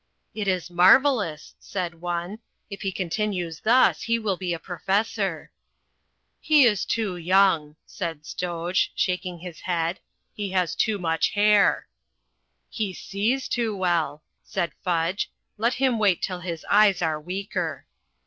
"It is marvellous," said one. "If he continues thus, he will be a professor." "He is too young," said Stoj, shaking his head. "He has too much hair." "He sees too well," said Fudj. "Let him wait till his eyes are weaker."